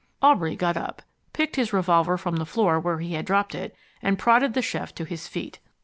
Aubrey got up, picked his revolver from the floor where he had dropped it, and prodded the chef to his feet.